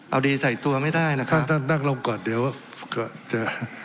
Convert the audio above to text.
เอาดีใส่ตัวไม่ได้นะครับถ้านั่งลงก่อนเดี๋ยวก็จะ